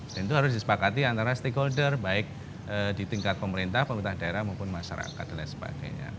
dan itu harus disepakati antara stakeholder baik di tingkat pemerintah pemerintah daerah maupun masyarakat dan sebagainya